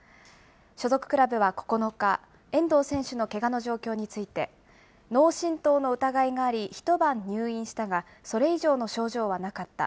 所属クラブは９日、遠藤選手のけがの状況について、脳しんとうの疑いがあり、一晩入院したが、それ以上の症状はなかった。